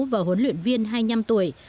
và huấn luyện viên hai mươi năm tuổi